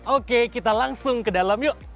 oke kita langsung ke dalam yuk